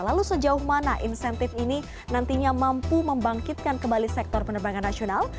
lalu sejauh mana insentif ini nantinya mampu membangkitkan kembali sektor penerbangan nasional